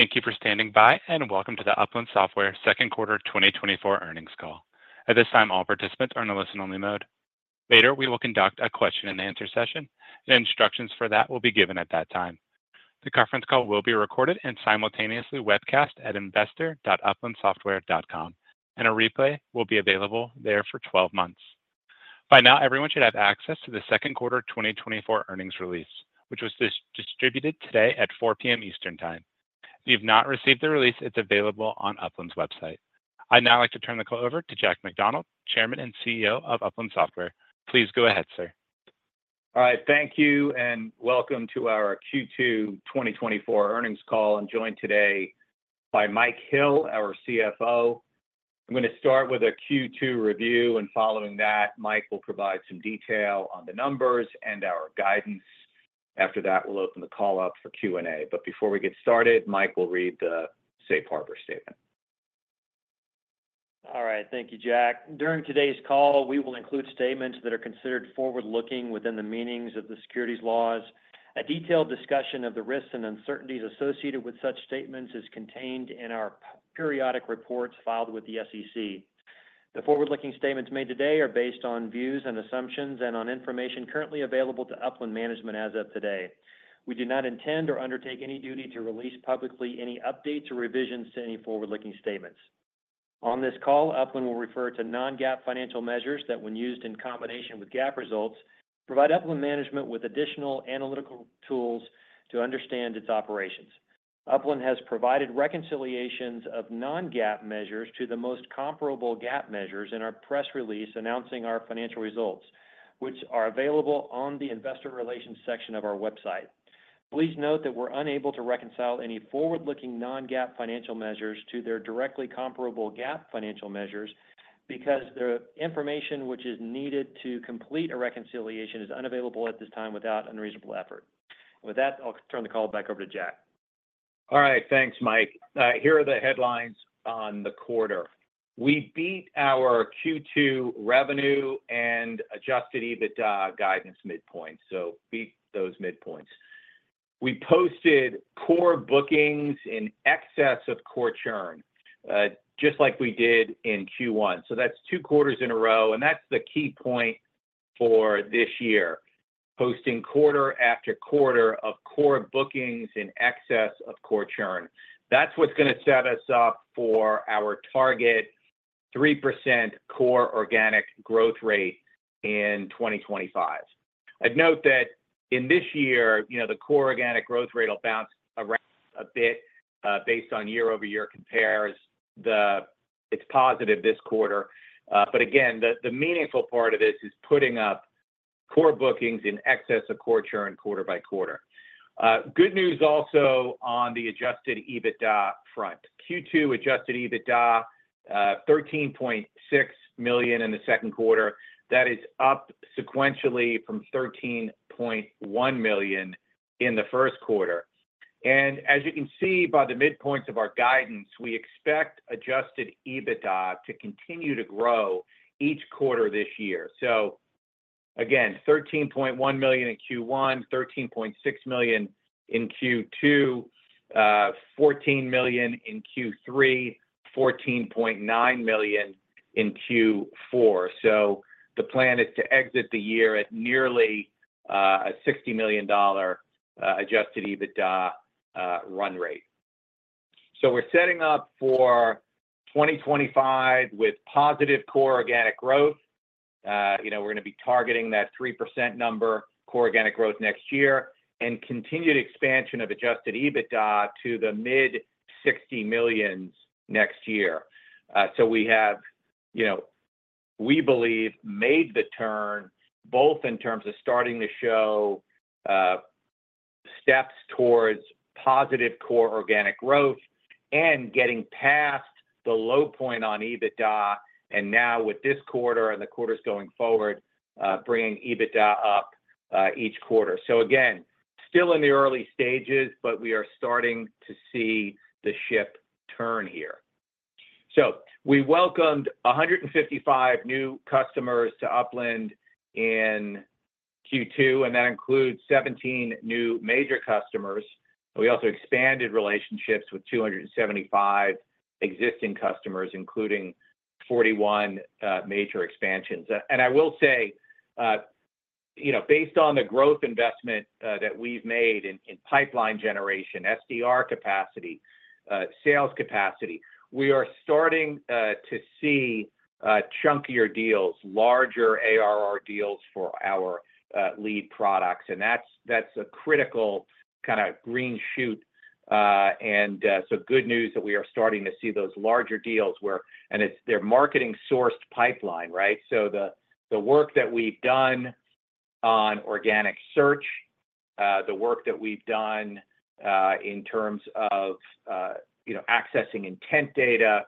Thank you for standing by, and welcome to the Upland Software Second Quarter 2024 Earnings Call. At this time, all participants are in a listen-only mode. Later, we will conduct a question-and-answer session, and instructions for that will be given at that time. The conference call will be recorded and simultaneously webcast at investor.uplandsoftware.com, and a replay will be available there for 12 months. By now, everyone should have access to the Second Quarter 2024 earnings release, which was distributed today at 4:00 P.M. Eastern Time. If you have not received the release, it's available on Upland's website. I'd now like to turn the call over to Jack McDonald, Chairman and CEO of Upland Software. Please go ahead, sir. All right. Thank you, and welcome to our Q2 2024 earnings call. I'm joined today by Mike Hill, our CFO. I'm going to start with a Q2 review, and following that, Mike will provide some detail on the numbers and our guidance. After that, we'll open the call up for Q&A. But before we get started, Mike will read the Safe Harbor statement. All right. Thank you, Jack. During today's call, we will include statements that are considered forward-looking within the meanings of the securities laws. A detailed discussion of the risks and uncertainties associated with such statements is contained in our periodic reports filed with the SEC. The forward-looking statements made today are based on views and assumptions and on information currently available to Upland Management as of today. We do not intend or undertake any duty to release publicly any updates or revisions to any forward-looking statements. On this call, Upland will refer to non-GAAP financial measures that, when used in combination with GAAP results, provide Upland Management with additional analytical tools to understand its operations. Upland has provided reconciliations of non-GAAP measures to the most comparable GAAP measures in our press release announcing our financial results, which are available on the investor relations section of our website. Please note that we're unable to reconcile any forward-looking non-GAAP financial measures to their directly comparable GAAP financial measures because the information which is needed to complete a reconciliation is unavailable at this time without unreasonable effort. With that, I'll turn the call back over to Jack. All right. Thanks, Mike. Here are the headlines on the quarter. We beat our Q2 revenue and adjusted EBITDA guidance midpoint, so beat those midpoints. We posted core bookings in excess of core churn, just like we did in Q1. So that's two quarters in a row, and that's the key point for this year: posting quarter after quarter of core bookings in excess of core churn. That's what's going to set us up for our target 3% core organic growth rate in 2025. I'd note that in this year, the core organic growth rate will bounce around a bit based on year-over-year compares. It's positive this quarter. But again, the meaningful part of this is putting up core bookings in excess of core churn quarter by quarter. Good news also on the adjusted EBITDA front. Q2 adjusted EBITDA: $13.6 million in the second quarter. That is up sequentially from $13.1 million in the first quarter. As you can see by the midpoints of our guidance, we expect adjusted EBITDA to continue to grow each quarter this year. Again, $13.1 million in Q1, $13.6 million in Q2, $14 million in Q3, $14.9 million in Q4. The plan is to exit the year at nearly a $60 million adjusted EBITDA run rate. We're setting up for 2025 with positive core organic growth. We're going to be targeting that 3% number core organic growth next year and continued expansion of adjusted EBITDA to the mid-$60 millions next year. We have, we believe, made the turn both in terms of starting to show steps towards positive core organic growth and getting past the low point on EBITDA, and now with this quarter and the quarters going forward, bringing EBITDA up each quarter. So again, still in the early stages, but we are starting to see the ship turn here. So we welcomed 155 new customers to Upland in Q2, and that includes 17 new major customers. We also expanded relationships with 275 existing customers, including 41 major expansions. And I will say, based on the growth investment that we've made in pipeline generation, SDR capacity, sales capacity, we are starting to see chunkier deals, larger ARR deals for our lead products. And that's a critical kind of green shoot. And so good news that we are starting to see those larger deals where, and it's their marketing-sourced pipeline, right? So the work that we've done on organic search, the work that we've done in terms of accessing intent data,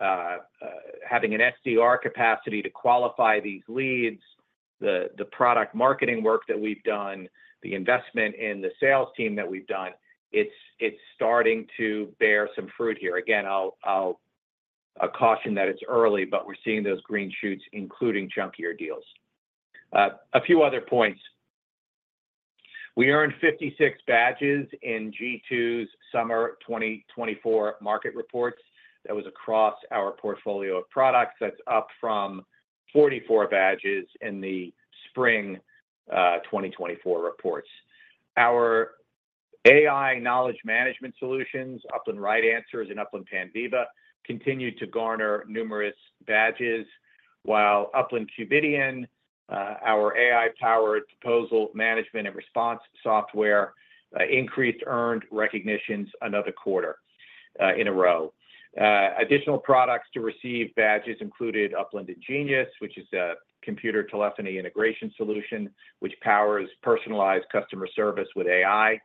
having an SDR capacity to qualify these leads, the product marketing work that we've done, the investment in the sales team that we've done, it's starting to bear some fruit here. Again, I'll caution that it's early, but we're seeing those green shoots, including chunkier deals. A few other points. We earned 56 badges in G2's summer 2024 market reports. That was across our portfolio of products. That's up from 44 badges in the spring 2024 reports. Our AI knowledge management solutions, Upland RightAnswers and Upland Panviva, continued to garner numerous badges, while Upland Qvidian, our AI-powered proposal management and response software, increased earned recognitions another quarter in a row. Additional products to receive badges included Upland InGenius, which is a computer telephony integration solution that powers personalized customer service with AI,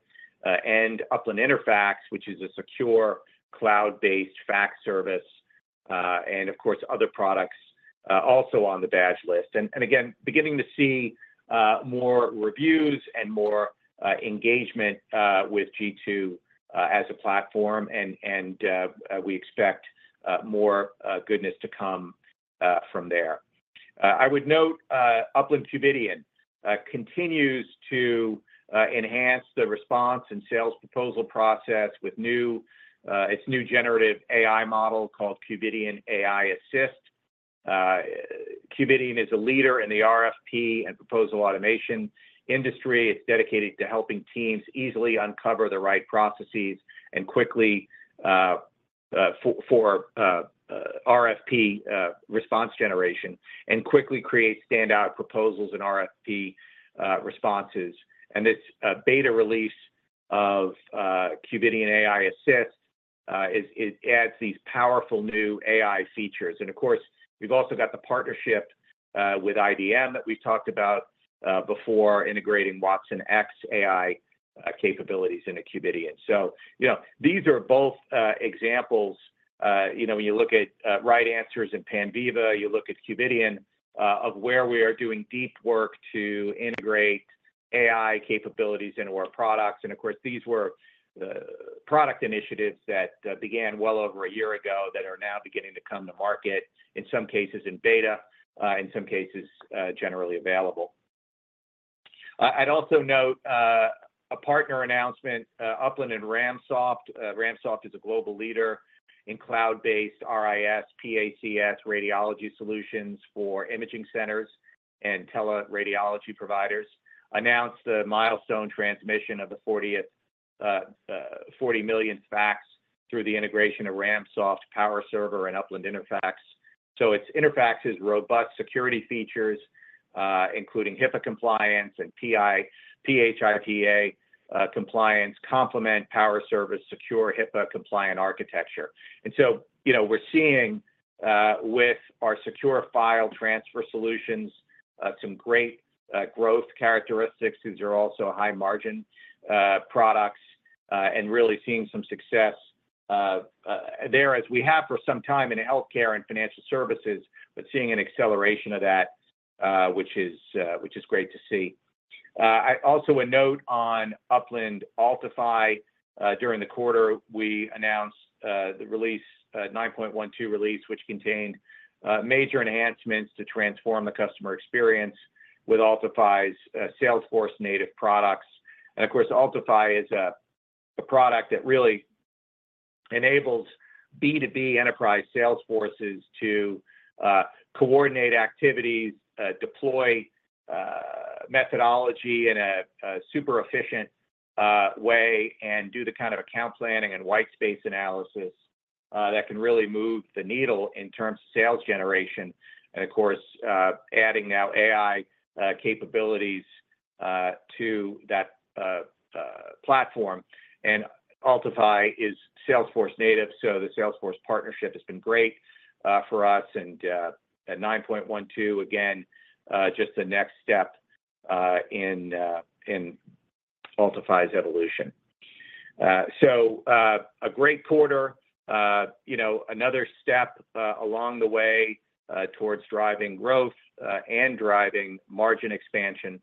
and Upland InterFAX, which is a secure cloud-based fax service, and of course, other products also on the badge list. And again, beginning to see more reviews and more engagement with G2 as a platform, and we expect more goodness to come from there. I would note Upland Qvidian continues to enhance the response and sales proposal process with its new generative AI model called Qvidian AI Assist. Qvidian is a leader in the RFP and proposal automation industry. It's dedicated to helping teams easily uncover the right processes and quickly for RFP response generation and quickly create standout proposals and RFP responses. And this beta release of Qvidian AI Assist adds these powerful new AI features. Of course, we've also got the partnership with IBM that we've talked about before, integrating IBM watsonx AI capabilities into Qvidian. These are both examples. When you look at RightAnswers and Panviva, you look at Qvidian of where we are doing deep work to integrate AI capabilities into our products. Of course, these were product initiatives that began well over a year ago that are now beginning to come to market, in some cases in beta, in some cases generally available. I'd also note a partner announcement: Upland and RAMSoft. RAMSoft is a global leader in cloud-based RIS, PACS, radiology solutions for imaging centers and teleradiology providers. Announced the milestone transmission of the 40 million fax through the integration of RAMSoft PowerServer and Upland InterFAX. So, it's InterFAX's robust security features, including HIPAA compliance and PHIPA compliance, complement PowerServer's secure HIPAA-compliant architecture. So we're seeing with our secure file transfer solutions some great growth characteristics. These are also high-margin products and really seeing some success there, as we have for some time in healthcare and financial services, but seeing an acceleration of that, which is great to see. Also, a note on Upland Altify. During the quarter, we announced the release, 9.12 release, which contained major enhancements to transform the customer experience with Altify's Salesforce native products. Of course, Altify is a product that really enables B2B enterprise Salesforces to coordinate activities, deploy methodology in a super efficient way, and do the kind of account planning and whitespace analysis that can really move the needle in terms of sales generation. Of course, adding now AI capabilities to that platform. Altify is Salesforce native, so the Salesforce partnership has been great for us. At 9.12, again, just the next step in Altify's evolution. A great quarter, another step along the way towards driving growth and driving margin expansion.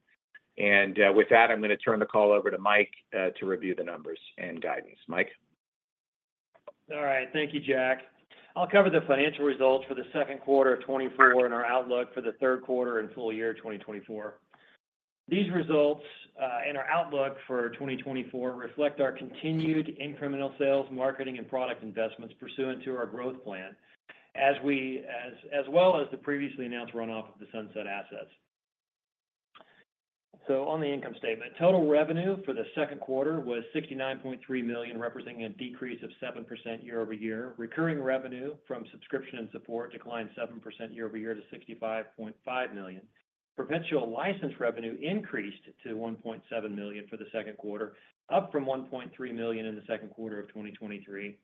With that, I'm going to turn the call over to Mike to review the numbers and guidance. Mike. All right. Thank you, Jack. I'll cover the financial results for the second quarter of 2024 and our outlook for the third quarter and full year 2024. These results and our outlook for 2024 reflect our continued incremental sales, marketing, and product investments pursuant to our growth plan, as well as the previously announced run-off of the sunset assets. So on the income statement, total revenue for the second quarter was $69.3 million, representing a decrease of 7% year-over-year. Recurring revenue from subscription and support declined 7% year-over-year to $65.5 million. Perpetual license revenue increased to $1.7 million for the second quarter, up from $1.3 million in the second quarter of 2023.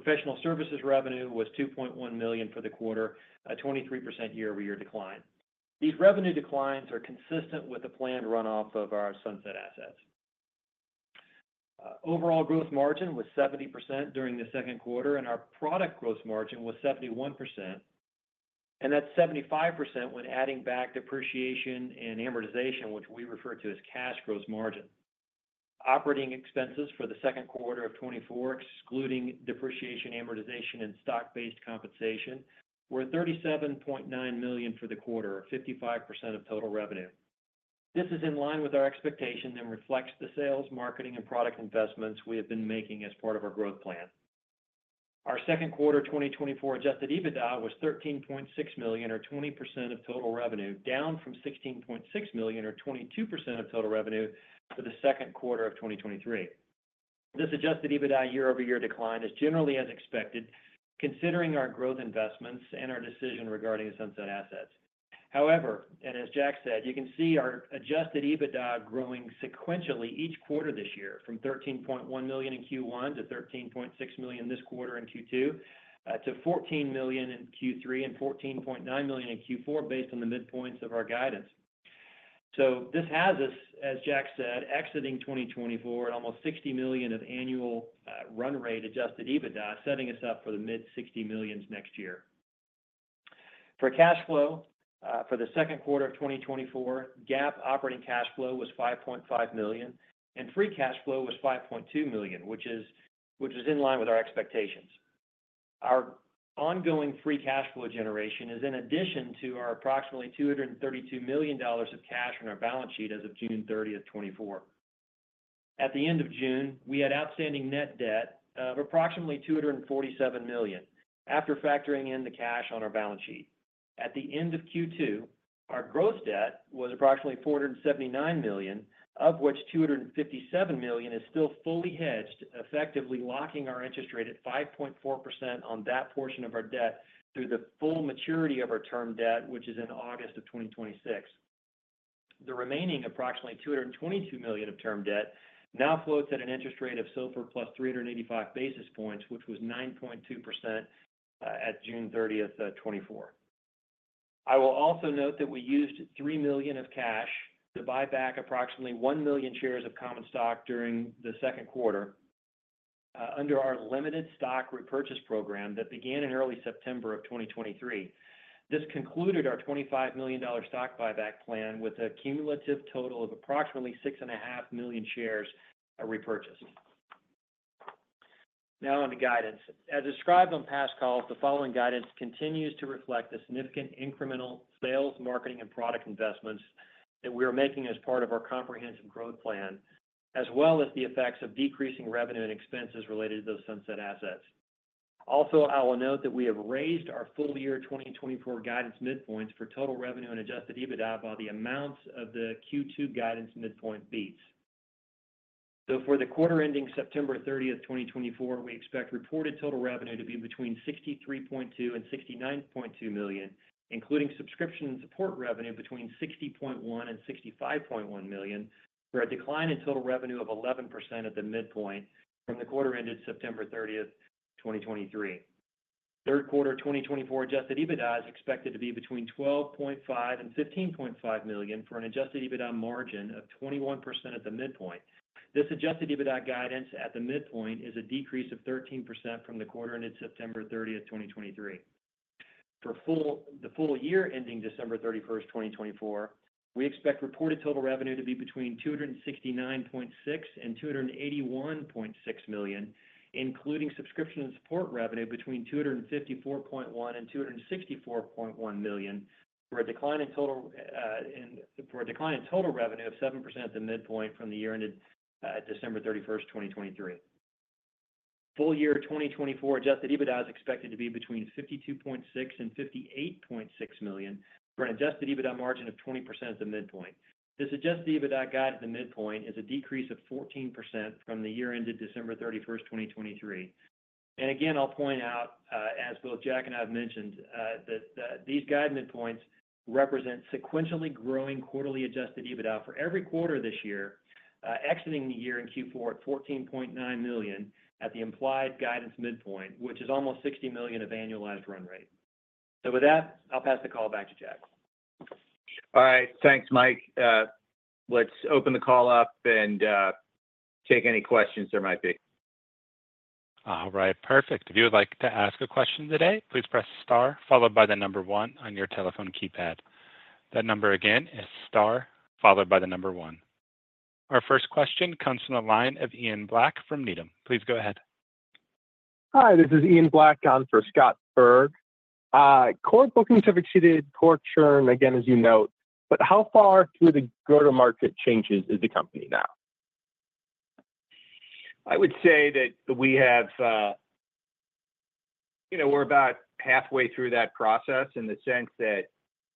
Professional services revenue was $2.1 million for the quarter, a 23% year-over-year decline. These revenue declines are consistent with the planned run-off of our sunset assets. Overall gross margin was 70% during the second quarter, and our product gross margin was 71%. And that's 75% when adding back depreciation and amortization, which we refer to as cash gross margin. Operating expenses for the second quarter of 2024, excluding depreciation, amortization, and stock-based compensation, were $37.9 million for the quarter, or 55% of total revenue. This is in line with our expectations and reflects the sales, marketing, and product investments we have been making as part of our growth plan. Our second quarter 2024 adjusted EBITDA was $13.6 million, or 20% of total revenue, down from $16.6 million, or 22% of total revenue for the second quarter of 2023. This adjusted EBITDA year-over-year decline is generally as expected, considering our growth investments and our decision regarding sunset assets. However, and as Jack said, you can see our adjusted EBITDA growing sequentially each quarter this year, from $13.1 million in Q1 to $13.6 million this quarter in Q2, to $14 million in Q3 and $14.9 million in Q4, based on the midpoints of our guidance. So this has us, as Jack said, exiting 2024 at almost $60 million of annual run rate adjusted EBITDA, setting us up for the mid-60 millions next year. For cash flow, for the second quarter of 2024, GAAP operating cash flow was $5.5 million, and free cash flow was $5.2 million, which is in line with our expectations. Our ongoing free cash flow generation is in addition to our approximately $232 million of cash on our balance sheet as of June 30th, 2024. At the end of June, we had outstanding net debt of approximately $247 million after factoring in the cash on our balance sheet. At the end of Q2, our gross debt was approximately $479 million, of which $257 million is still fully hedged, effectively locking our interest rate at 5.4% on that portion of our debt through the full maturity of our term debt, which is in August of 2026. The remaining approximately $222 million of term debt now floats at an interest rate of SOFR plus 385 basis points, which was 9.2% at June 30th, 2024. I will also note that we used $3 million of cash to buy back approximately 1 million shares of common stock during the second quarter under our limited stock repurchase program that began in early September of 2023. This concluded our $25 million stock buyback plan with a cumulative total of approximately 6.5 million shares repurchased. Now on the guidance. As described on past calls, the following guidance continues to reflect the significant incremental sales, marketing, and product investments that we are making as part of our comprehensive growth plan, as well as the effects of decreasing revenue and expenses related to those sunset assets. Also, I will note that we have raised our full year 2024 guidance midpoints for total revenue and adjusted EBITDA by the amounts of the Q2 guidance midpoint beats. So for the quarter ending September 30th, 2024, we expect reported total revenue to be between $63.2 million-$69.2 million, including subscription and support revenue between $60.1 million-$65.1 million, for a decline in total revenue of 11% at the midpoint from the quarter ended September 30th, 2023. Third quarter 2024 adjusted EBITDA is expected to be between $12.5 million and $15.5 million for an adjusted EBITDA margin of 21% at the midpoint. This adjusted EBITDA guidance at the midpoint is a decrease of 13% from the quarter ended September 30th, 2023. For the full year ending December 31st, 2024, we expect reported total revenue to be between $269.6 million and $281.6 million, including subscription and support revenue between $254.1 million and $264.1 million, for a decline in total revenue of 7% at the midpoint from the year ended December 31st, 2023. Full year 2024 adjusted EBITDA is expected to be between $52.6 million and $58.6 million for an adjusted EBITDA margin of 20% at the midpoint. This adjusted EBITDA guide at the midpoint is a decrease of 14% from the year ended December 31st, 2023. And again, I'll point out, as both Jack and I have mentioned, that these guide midpoints represent sequentially growing quarterly adjusted EBITDA for every quarter this year, exiting the year in Q4 at $14.9 million at the implied guidance midpoint, which is almost $60 million of annualized run rate. So with that, I'll pass the call back to Jack. All right. Thanks, Mike. Let's open the call up and take any questions there might be. All right. Perfect. If you would like to ask a question today, please press star, followed by the number one on your telephone keypad. That number again is star, followed by the number one. Our first question comes from the line of Ian Black from Needham. Please go ahead. Hi, this is Ian Black for Scott Berg. Core bookings have exceeded core churn, and again, as you note, but how far through the go-to-market changes is the company now? I would say that we're about halfway through that process in the sense that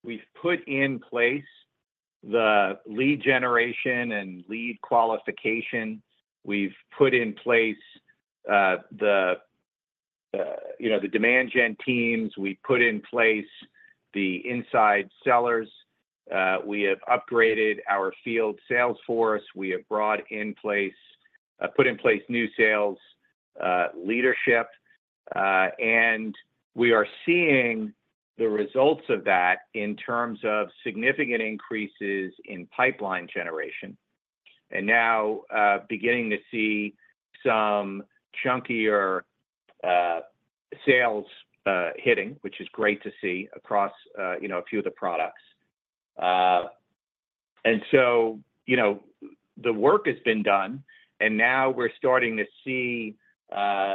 we've put in place the lead generation and lead qualification. We've put in place the demand gen teams. We've put in place the inside sellers. We have upgraded our field sales force. We have put in place new sales leadership. We are seeing the results of that in terms of significant increases in pipeline generation. Now beginning to see some chunkier sales hitting, which is great to see across a few of the products. The work has been done, and now we're starting to see the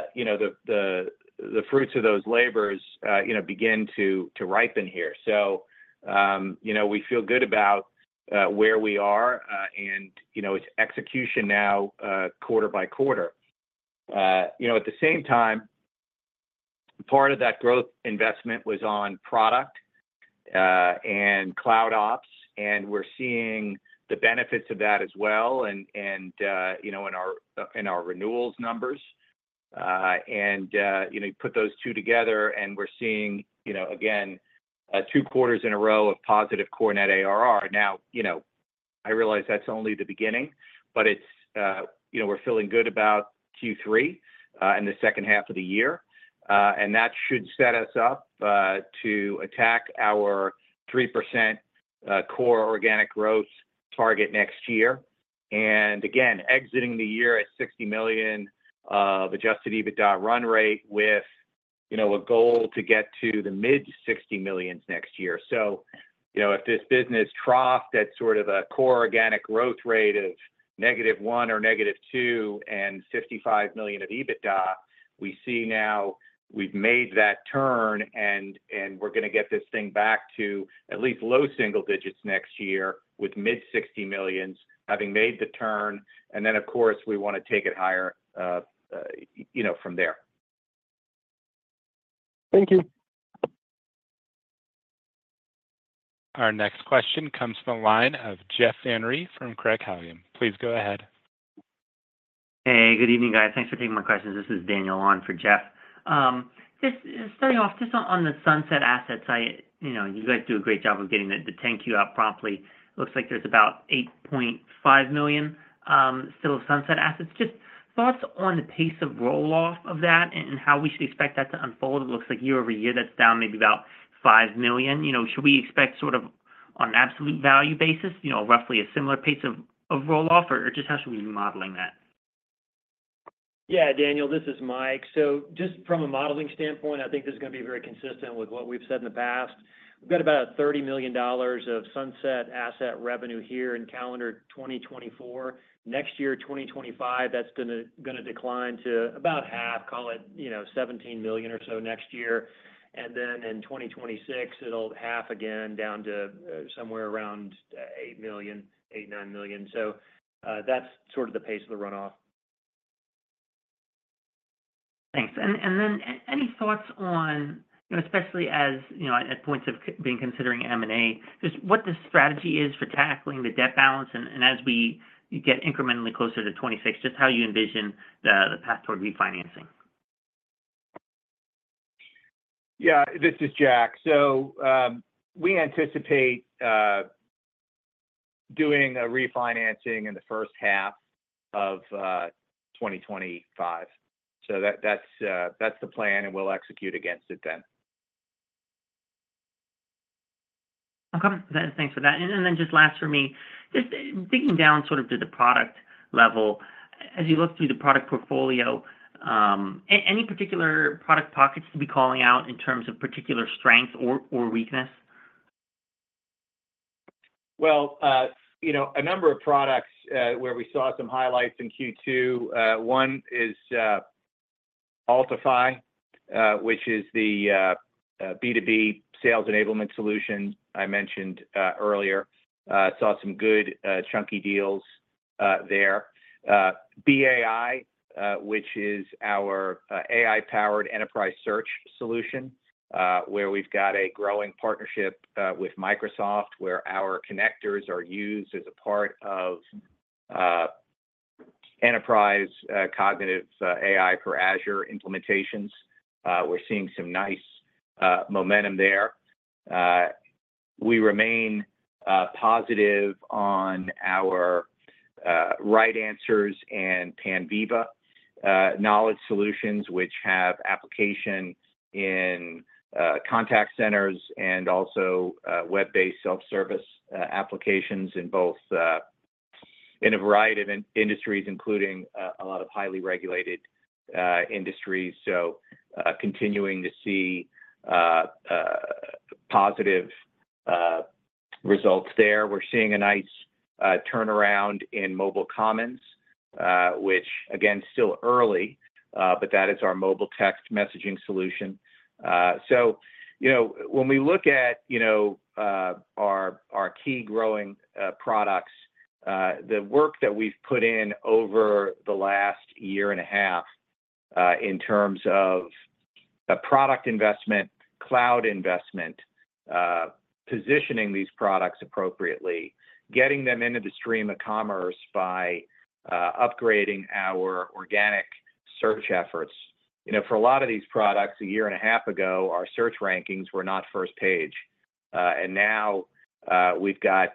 fruits of those labors begin to ripen here. We feel good about where we are, and it's execution now quarter by quarter. At the same time, part of that growth investment was on product and cloud ops, and we're seeing the benefits of that as well in our renewals numbers. And you put those two together, and we're seeing, again, 2 quarters in a row of positive core net ARR. Now, I realize that's only the beginning, but we're feeling good about Q3 and the second half of the year. And that should set us up to attack our 3% core organic growth target next year. And again, exiting the year at $60 million of adjusted EBITDA run rate with a goal to get to the mid-$60 millions next year. If this business troughed at sort of a core organic growth rate of negative 1 or negative 2 and $55 million of EBITDA, we see now we've made that turn, and we're going to get this thing back to at least low single digits next year with mid-$60s million having made the turn. Then, of course, we want to take it higher from there. Thank you. Our next question comes from the line of Jeff Van Rhee from Craig-Hallum. Please go ahead. Hey, good evening, guys. Thanks for taking my questions. This is Daniel on for Jeff. Just starting off, just on the sunset asset side, you guys do a great job of getting the 10Q out promptly. Looks like there's about $8.5 million still of sunset assets. Just thoughts on the pace of roll-off of that and how we should expect that to unfold? It looks like year-over-year that's down maybe about $5 million. Should we expect sort of on an absolute value basis, roughly a similar pace of roll-off, or just how should we be modeling that? Yeah, Daniel, this is Mike. So just from a modeling standpoint, I think this is going to be very consistent with what we've said in the past. We've got about $30 million of sunset asset revenue here in calendar 2024. Next year, 2025, that's going to decline to about half, call it $17 million or so next year. And then in 2026, it'll half again down to somewhere around $8 million-$9 million. So that's sort of the pace of the run-off. Thanks. Then any thoughts on, especially as at points of being considering M&A, just what the strategy is for tackling the debt balance and as we get incrementally closer to 2026, just how you envision the path toward refinancing? Yeah, this is Jack. So we anticipate doing a refinancing in the first half of 2025. So that's the plan, and we'll execute against it then. Okay. Thanks for that. And then just last for me, just digging down sort of to the product level, as you look through the product portfolio, any particular product pockets to be calling out in terms of particular strengths or weakness? Well, a number of products where we saw some highlights in Q2. One is Altify, which is the B2B sales enablement solution I mentioned earlier. Saw some good chunky deals there. BAI, which is our AI-powered enterprise search solution, where we've got a growing partnership with Microsoft where our connectors are used as a part of enterprise cognitive AI for Azure implementations. We're seeing some nice momentum there. We remain positive on our RightAnswers and Panviva knowledge solutions, which have application in contact centers and also web-based self-service applications in a variety of industries, including a lot of highly regulated industries. So continuing to see positive results there. We're seeing a nice turnaround in Mobile Commons, which, again, still early, but that is our mobile text messaging solution. So when we look at our key growing products, the work that we've put in over the last year and a half in terms of product investment, cloud investment, positioning these products appropriately, getting them into the stream of commerce by upgrading our organic search efforts. For a lot of these products, a year and a half ago, our search rankings were not first page. And now we've got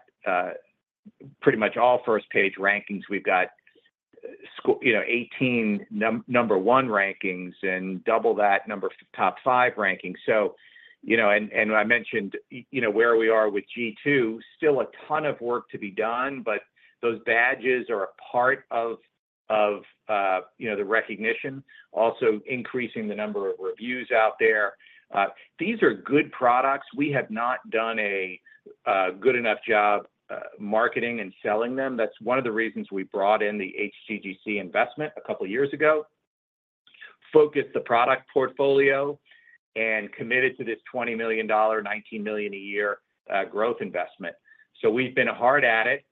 pretty much all first page rankings. We've got 18 number one rankings and double that number top five rankings. And I mentioned where we are with G2, still a ton of work to be done, but those badges are a part of the recognition, also increasing the number of reviews out there. These are good products. We have not done a good enough job marketing and selling them. That's one of the reasons we brought in the H.I.G. Capital investment a couple of years ago, focused the product portfolio, and committed to this $20 million, $19 million a year growth investment. So we've been hard at it,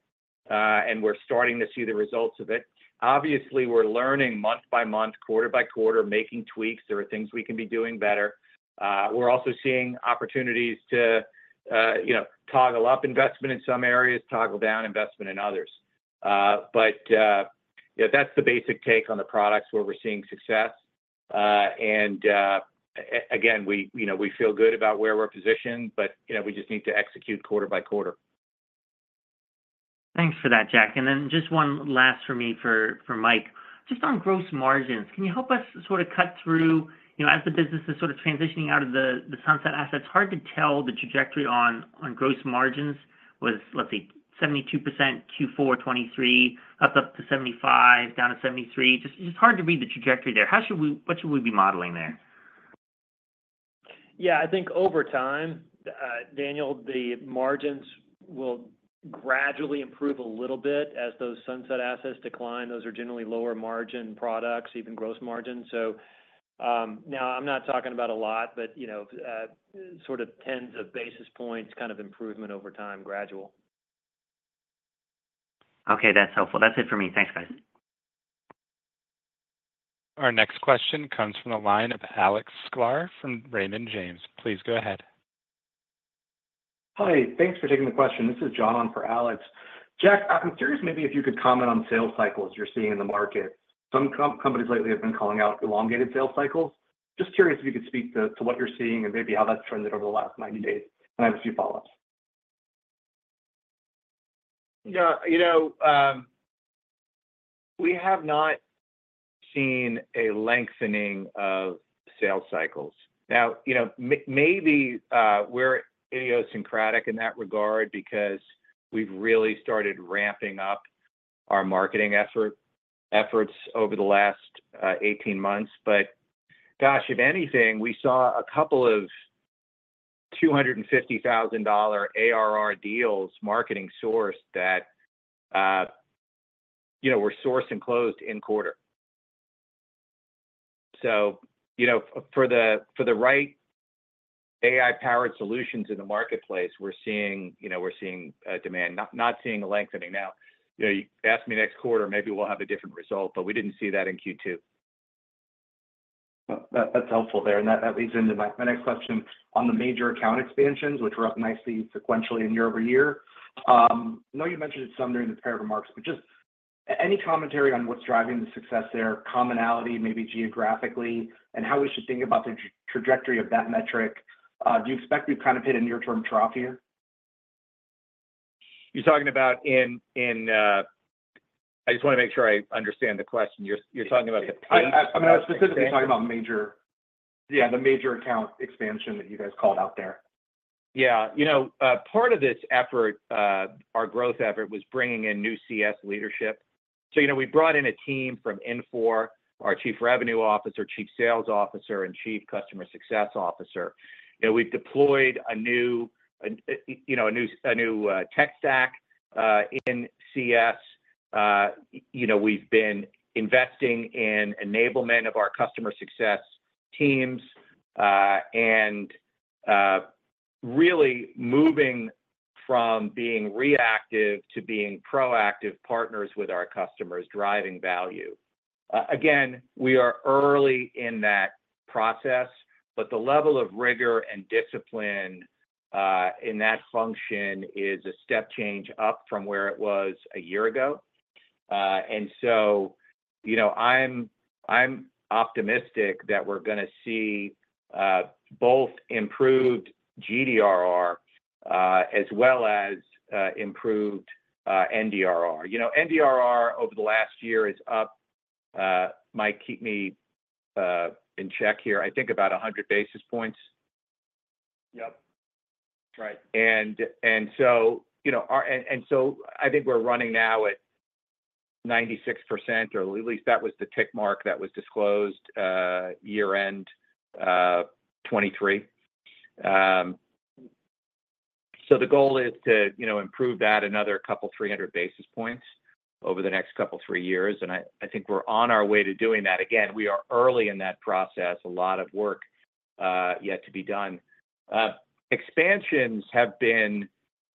and we're starting to see the results of it. Obviously, we're learning month by month, quarter by quarter, making tweaks. There are things we can be doing better. We're also seeing opportunities to toggle up investment in some areas, toggle down investment in others. But that's the basic take on the products where we're seeing success. And again, we feel good about where we're positioned, but we just need to execute quarter by quarter. Thanks for that, Jack. And then just one last for me, for Mike. Just on gross margins, can you help us sort of cut through as the business is sort of transitioning out of the sunset assets? Hard to tell the trajectory on gross margins was, let's see, 72% Q4 2023, up to 75%, down to 73%. Just hard to read the trajectory there. What should we be modeling there? Yeah, I think over time, Daniel, the margins will gradually improve a little bit as those sunset assets decline. Those are generally lower margin products, even gross margins. So now I'm not talking about a lot, but sort of tens of basis points kind of improvement over time, gradual. Okay, that's helpful. That's it for me. Thanks, guys. Our next question comes from the line of Alex Sklar from Raymond James. Please go ahead. Hi, thanks for taking the question. This is John for Alex. Jack, I'm curious maybe if you could comment on sales cycles you're seeing in the market. Some companies lately have been calling out elongated sales cycles. Just curious if you could speak to what you're seeing and maybe how that's trended over the last 90 days. I have a few follow-ups. Yeah, we have not seen a lengthening of sales cycles. Now, maybe we're idiosyncratic in that regard because we've really started ramping up our marketing efforts over the last 18 months. But gosh, if anything, we saw a couple of $250,000 ARR deals marketing source that were sourced and closed in quarter. So for the right AI-powered solutions in the marketplace, we're seeing demand, not seeing a lengthening. Now, you ask me next quarter, maybe we'll have a different result, but we didn't see that in Q2. That's helpful there. That leads into my next question on the major account expansions, which were up nicely sequentially in year-over-year. I know you mentioned it some during the prior remarks, but just any commentary on what's driving the success there, commonality, maybe geographically, and how we should think about the trajectory of that metric? Do you expect we've kind of hit a near-term trough here? You're talking about. I just want to make sure I understand the question. You're talking about the types of. I mean, I was specifically talking about major. Yeah, the major account expansion that you guys called out there. Yeah. Part of this effort, our growth effort, was bringing in new CS leadership. So we brought in a team from Infor, our Chief Revenue Officer, Chief Sales Officer, and Chief Customer Success Officer. We've deployed a new tech stack in CS. We've been investing in enablement of our customer success teams and really moving from being reactive to being proactive partners with our customers, driving value. Again, we are early in that process, but the level of rigor and discipline in that function is a step change up from where it was a year ago. And so I'm optimistic that we're going to see both improved GDRR as well as improved NDRR. NDRR over the last year is up, might keep me in check here, I think about 100 basis points. Yep. Right. I think we're running now at 96%, or at least that was the tick mark that was disclosed year-end 2023. The goal is to improve that another couple of 300 basis points over the next couple of three years. I think we're on our way to doing that. Again, we are early in that process. A lot of work yet to be done. Expansions have been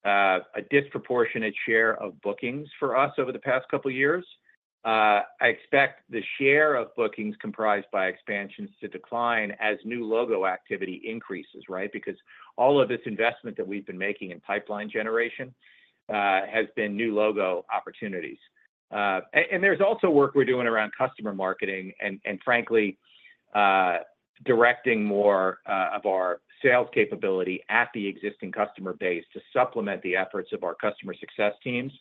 a disproportionate share of bookings for us over the past couple of years. I expect the share of bookings comprised by expansions to decline as new logo activity increases, right? Because all of this investment that we've been making in pipeline generation has been new logo opportunities. And there's also work we're doing around customer marketing and, frankly, directing more of our sales capability at the existing customer base to supplement the efforts of our customer success teams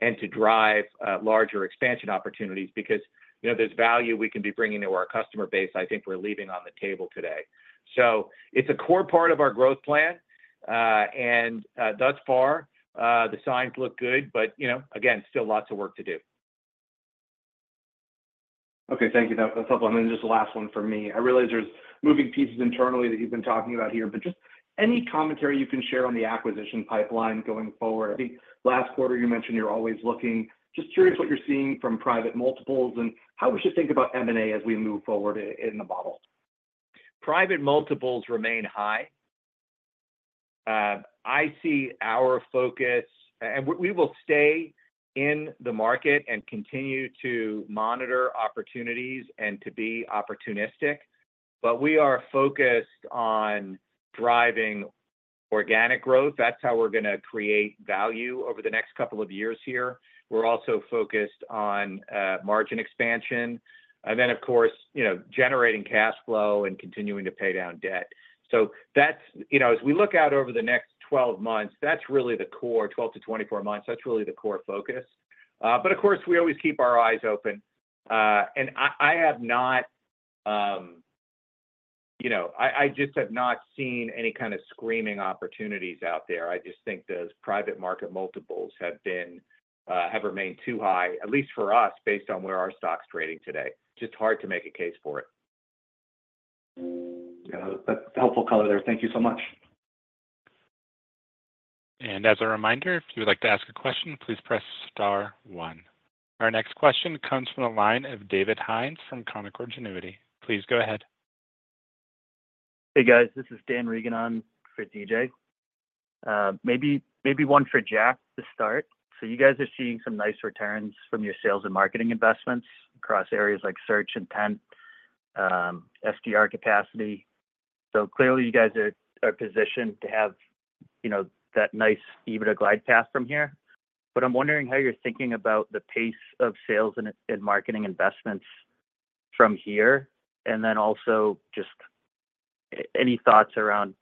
and to drive larger expansion opportunities because there's value we can be bringing to our customer base, I think, we're leaving on the table today. So it's a core part of our growth plan. And thus far, the signs look good, but again, still lots of work to do. Okay, thank you. That's helpful. And then just the last one for me. I realize there's moving pieces internally that you've been talking about here, but just any commentary you can share on the acquisition pipeline going forward. I think last quarter you mentioned you're always looking. Just curious what you're seeing from private multiples and how we should think about M&A as we move forward in the bottle. Private multiples remain high. I see our focus, and we will stay in the market and continue to monitor opportunities and to be opportunistic. But we are focused on driving organic growth. That's how we're going to create value over the next couple of years here. We're also focused on margin expansion. And then, of course, generating cash flow and continuing to pay down debt. So as we look out over the next 12 months, that's really the core 12 to 24 months. That's really the core focus. But of course, we always keep our eyes open. And I just have not seen any kind of screaming opportunities out there. I just think those private market multiples have remained too high, at least for us, based on where our stock's trading today. Just hard to make a case for it. That's a helpful color there. Thank you so much. And as a reminder, if you would like to ask a question, please press star one. Our next question comes from the line of David Hynes from Canaccord Genuity. Please go ahead. Hey, guys. This is Dan Reagan for DJ. Maybe one for Jack to start. So you guys are seeing some nice returns from your sales and marketing investments across areas like search intent, SDR capacity. So clearly, you guys are positioned to have that nice EBITDA glide path from here. But I'm wondering how you're thinking about the pace of sales and marketing investments from here. And then also just any thoughts around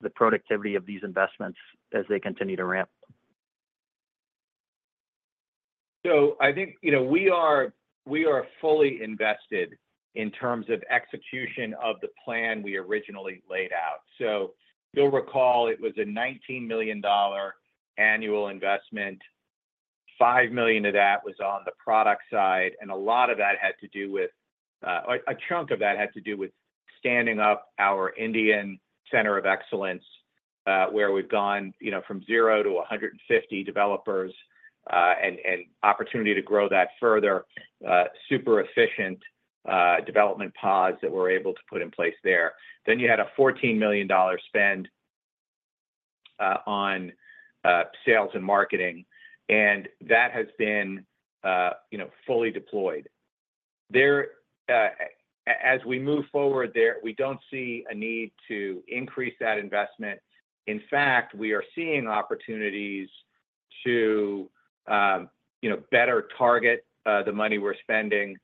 the productivity of these investments as they continue to ramp. So I think we are fully invested in terms of execution of the plan we originally laid out. So you'll recall it was a $19 million annual investment. $5 million of that was on the product side. And a lot of that had to do with a chunk of that standing up our Indian Center of Excellence where we've gone from 0 to 150 developers and opportunity to grow that further, super efficient development pods that we're able to put in place there. Then you had a $14 million spend on sales and marketing. And that has been fully deployed. As we move forward there, we don't see a need to increase that investment. In fact, we are seeing opportunities to better target the money we're spending.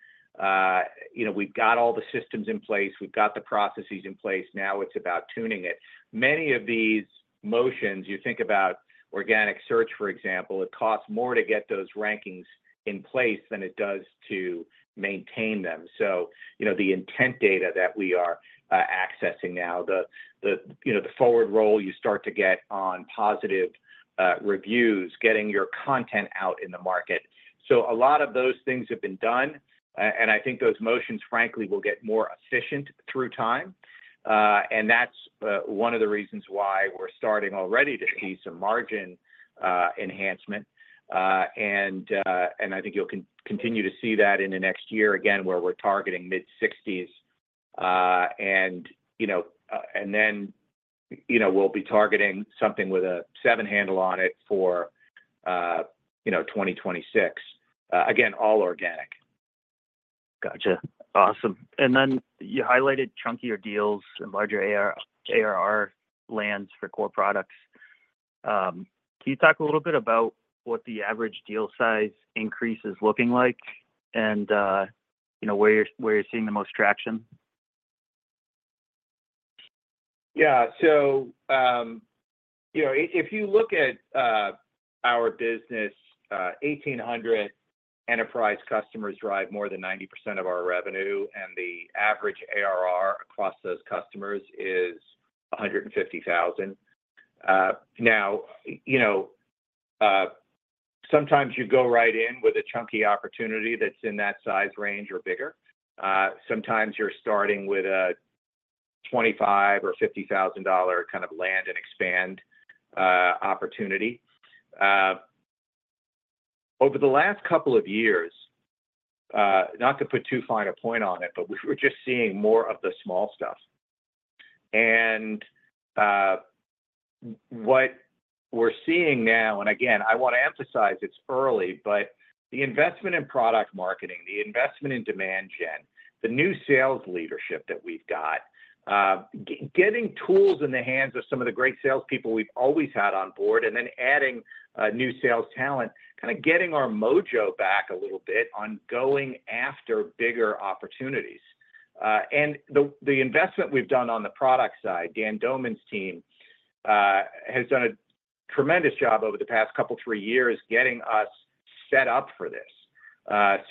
We've got all the systems in place. We've got the processes in place. Now it's about tuning it. Many of these motions, you think about organic search, for example, it costs more to get those rankings in place than it does to maintain them. So the intent data that we are accessing now, the forward roll you start to get on positive reviews, getting your content out in the market. So a lot of those things have been done. And I think those motions, frankly, will get more efficient through time. And that's one of the reasons why we're starting already to see some margin enhancement. And I think you'll continue to see that in the next year again where we're targeting mid-60s. And then we'll be targeting something with a seven handle on it for 2026. Again, all organic. Gotcha. Awesome. And then you highlighted chunkier deals and larger ARR lands for core products. Can you talk a little bit about what the average deal size increase is looking like and where you're seeing the most traction? Yeah. So if you look at our business, 1,800 enterprise customers drive more than 90% of our revenue, and the average ARR across those customers is $150,000. Now, sometimes you go right in with a chunky opportunity that's in that size range or bigger. Sometimes you're starting with a $25,000 or $50,000 kind of land and expand opportunity. Over the last couple of years, not to put too fine a point on it, but we were just seeing more of the small stuff. And what we're seeing now, and again, I want to emphasize it's early, but the investment in product marketing, the investment in demand gen, the new sales leadership that we've got, getting tools in the hands of some of the great salespeople we've always had on board, and then adding new sales talent, kind of getting our mojo back a little bit on going after bigger opportunities. The investment we've done on the product side, Dan Doman's team has done a tremendous job over the past couple of three years getting us set up for this.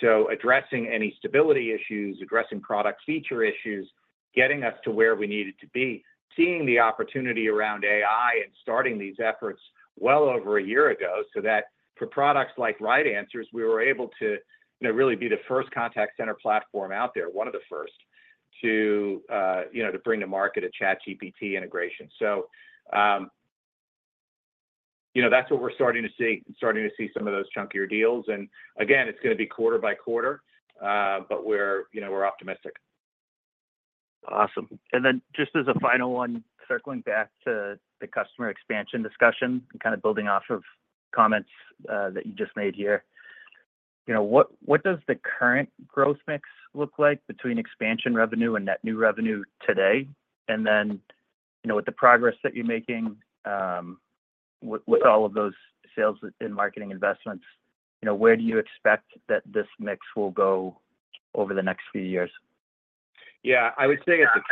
So addressing any stability issues, addressing product feature issues, getting us to where we needed to be, seeing the opportunity around AI and starting these efforts well over a year ago so that for products like Right Answers, we were able to really be the first contact center platform out there, one of the first, to bring to market a ChatGPT integration. So that's what we're starting to see, starting to see some of those chunkier deals. And again, it's going to be quarter by quarter, but we're optimistic. Awesome. And then just as a final one, circling back to the customer expansion discussion and kind of building off of comments that you just made here, what does the current growth mix look like between expansion revenue and net new revenue today? And then with the progress that you're making with all of those sales and marketing investments, where do you expect that this mix will go over the next few years? Yeah. I would say at the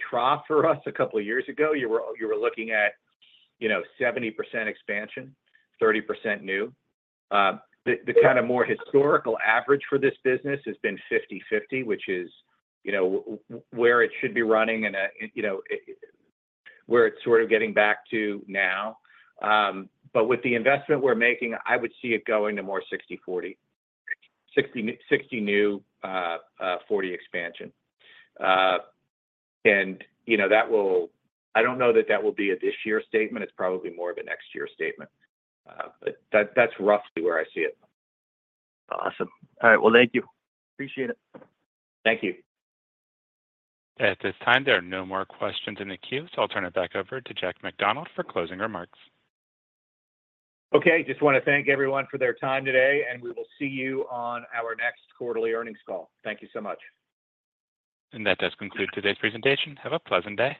trough, for us a couple of years ago, you were looking at 70% expansion, 30% new. The kind of more historical average for this business has been 50/50, which is where it should be running and where it's sort of getting back to now. But with the investment we're making, I would see it going to more 60/40, 60 new, 40 expansion. And I don't know that that will be a this year statement. It's probably more of a next year statement. But that's roughly where I see it. Awesome. All right. Well, thank you. Appreciate it. Thank you. At this time, there are no more questions in the queue. So I'll turn it back over to Jack McDonald for closing remarks. Okay. Just want to thank everyone for their time today. We will see you on our next quarterly earnings call. Thank you so much. That does conclude today's presentation. Have a pleasant day.